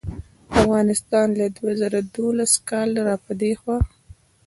افغانستان له دوه زره دولسم کال راپه دې خوا